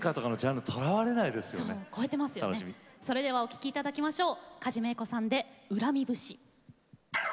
それではお聴きいただきましょう。